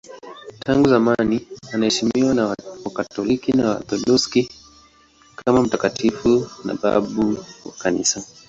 Tangu zamani anaheshimiwa na Wakatoliki na Waorthodoksi kama mtakatifu na babu wa Kanisa.